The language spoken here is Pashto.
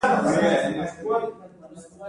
اوښکې د سترګو مایع ده